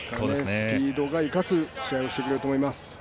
スピードを生かす試合をしてくれると思います。